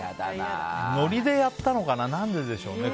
ノリでやったのかな何ででしょうね。